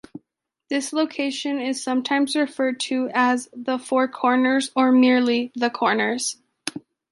This location is sometimes referred to as "the four corners" or merely "the corners.